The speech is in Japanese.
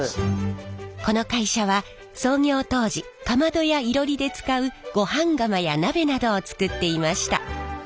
この会社は創業当時かまどやいろりで使うごはん釜や鍋などを作っていました。